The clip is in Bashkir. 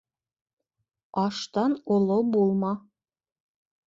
Аштан оло булма.